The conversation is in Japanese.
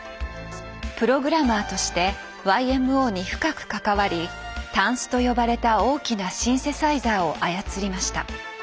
プログラマーとしてＹＭＯに深く関わり「タンス」と呼ばれた大きなシンセサイザーを操りました。